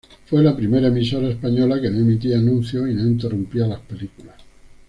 Fue la primera emisora española que no emitía anuncios y no interrumpía las películas.